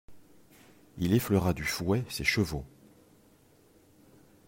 Il effleura du fouet ses chevaux.